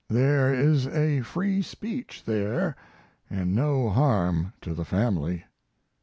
There is a free speech there, and no harm to the family.